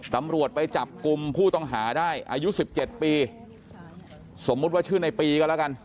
ตำรวจไปจับกุมผู้ต้องหาได้อายุ๑๗ปีสมมุติว่าชื่อในปีก็ละกัน